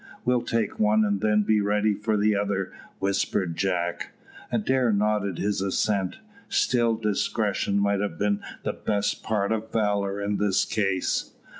"We'll take one, and then be ready for the other," whispered Jack. Adair nodded his assent. Still discretion might have been the best part of valour in this case.